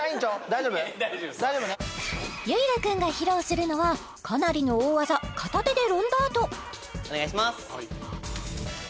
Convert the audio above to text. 大丈夫です結流君が披露するのはかなりの大技片手でロンダートお願いします